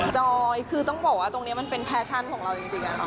จอยคือต้องบอกว่าตรงนี้มันเป็นแฟชั่นของเราจริงค่ะ